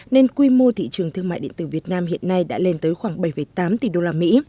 nên quy mô thị trường thương mại điện tử việt nam hiện nay đã lên tới khoảng bảy tám tỷ đô la mỹ